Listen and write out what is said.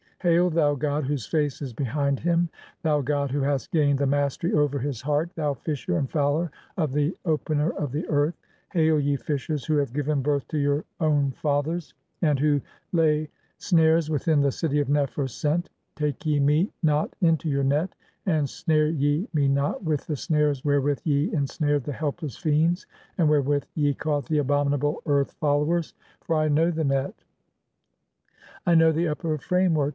Hail, thou 'god whose face is behind "him', (25) thou 'god who hast gained the mastery over his "heart', thou fisher and fowler of the opener of the earth ! "Hail, ye fishers who have given birth to your own fathers, (26) 280 THE CHAPTERS OF COMING FORTH BY DAY. "and who lay snar s within the city of Nefer sent, take ye me "not into your net, and snare ye me not with the (27) snares "wherewith ye ensnared the helpless fiends and wherewith ye "caught the abominable earth followers ; for I know the Net. "(28) I know the upper framework